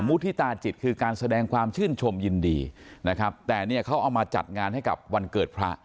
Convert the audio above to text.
มุฒิตาจิตคือการแสดงความชื่นชมยินดีนะครับแต่เนี่ยเขาเอามาจัดงานให้กับวันเกิดพระ